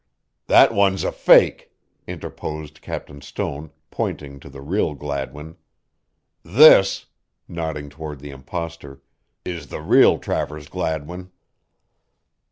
"That one's a fake," interposed Captain Stone, pointing to the real Gladwin. "This" nodding toward the impostor "is the real Travers Gladwin."